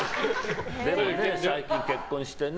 最近、結婚してね。